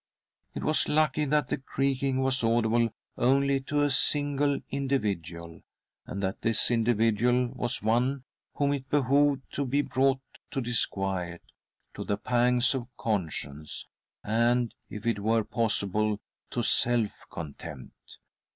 It was lucky that the creaking was audible only to a single individual, and that this individual was one whom it behoved to be brought to disquiet, to the pangs of conscience, and, if it were possible, to self contempt.